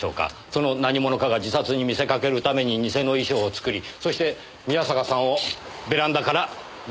その何者かが自殺に見せかけるために偽の遺書を作りそして宮坂さんをベランダから投げ落とした。